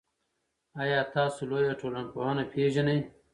آیا تاسو لویه ټولنپوهنه پېژنئ؟